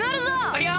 ありゃ？